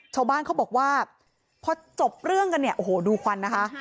ชาวบ้านเขาบอกว่าพอจบเรื่องกันเนี่ยโอ้โหดูควันนะคะ